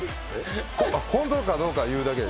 ホントかどうか言うだけで。